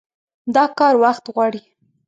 دا کار وخت غواړي.